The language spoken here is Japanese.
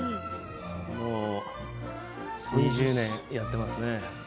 もう２０年やっています。